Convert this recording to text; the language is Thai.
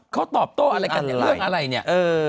เขาตอบโต้อะไรกันเนี่ยเรื่องอะไรเนี่ย